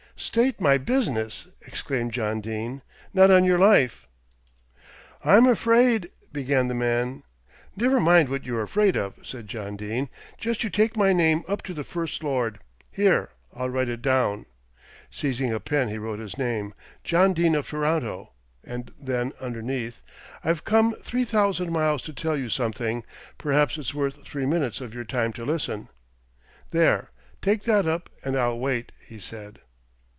"State my business," exclaimed John Dene, "not on your life." "I'm afraid " began the man. "Never mind what you're afraid of," said John Dene, "just you take my name up to the First Lord. Here, I'll write it down." Seizing a pen he wrote his name, "John Dene of Toronto," and then underneath, "I've come three thousand miles to tell you something; perhaps it's worth three minutes of your time to listen." "There, take that up and I'll wait," he said.